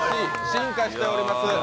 進化しております。